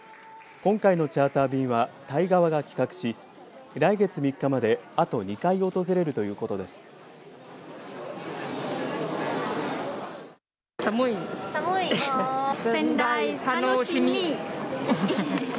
今回のチャーター便はタイ側が企画し来月３日まであと２回訪れるということです。